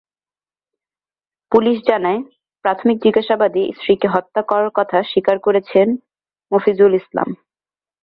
Police জানায়, প্রাথমিক জিজ্ঞাসাবাদে স্ত্রীকে হত্যা করার কথা স্বীকার করেছেন মফিজুল ইসলাম।